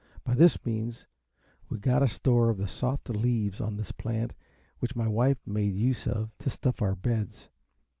By this means we got a store of the soft leaves of this plant, which my wife made use of to stuff our beds.